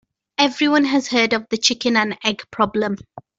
Everyone has heard of the chicken and egg problem.